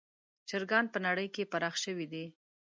چرګان په نړۍ کې پراخ شوي دي.